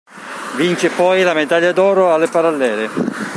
Vince poi la medaglia d'oro alle parallele.